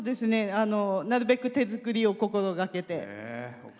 なるべく手作りを心がけて。